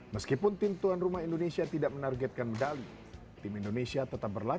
meskipun tim tuan rumah indonesia tidak menargetkan medali tim indonesia tetap berlatih